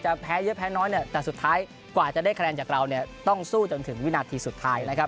แพ้เยอะแพ้น้อยเนี่ยแต่สุดท้ายกว่าจะได้คะแนนจากเราเนี่ยต้องสู้จนถึงวินาทีสุดท้ายนะครับ